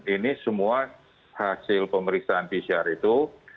ini semua hasil pemeriksaan pcr itu